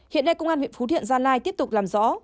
hiện nay công an huyện phú thiện gia lai tiếp tục làm rõ